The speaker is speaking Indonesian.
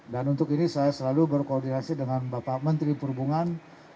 dan untuk ini saya selalu berkoordinasi dengan bapak menteri perhubungan